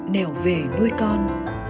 nèo về nuôi con